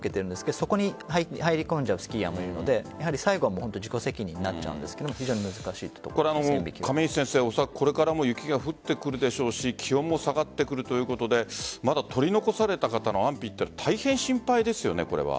そこに入り込んじゃうスキーヤーもいるので最後は自己責任になっちゃうんですけどこれからも雪が降ってくるでしょうし気温も下がってくるということでまだ取り残された方の安否大変心配ですよね。